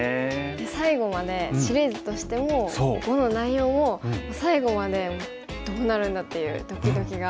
で最後までシリーズとしても碁の内容も最後までどうなるんだ？っていうドキドキが。